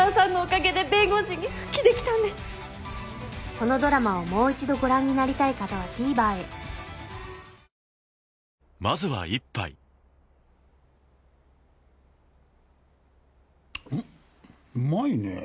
このドラマをもう一度ご覧になりたい方はＴＶｅｒへおっうまいねぇ。